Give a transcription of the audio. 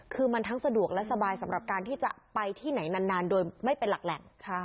คือมันทั้งสะดวกและสบายสำหรับการที่จะไปที่ไหนนานโดยไม่เป็นหลักแหล่ง